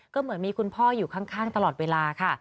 ก็เหมือนมีคุณพ่ออยู่ข้างตลอดเวลาค่ะ